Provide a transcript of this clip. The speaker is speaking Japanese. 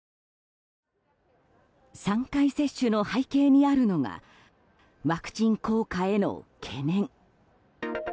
３回接種の背景にあるのがワクチン効果への懸念。